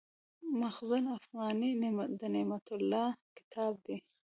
مخزن افغاني د نعمت الله کتاب دﺉ.